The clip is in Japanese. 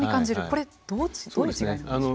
これどういう違いなんでしょう？